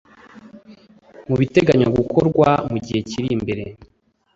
Mu biteganywa gukorwa mu gihe kiri imbere